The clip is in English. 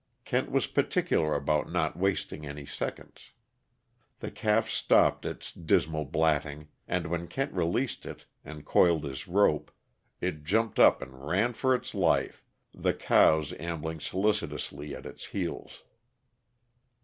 Kent was particular about not wasting any seconds. The calf stopped its dismal blatting, and when Kent released it and coiled his rope, it jumped up and ran for its life, the cows ambling solicitously at its heels.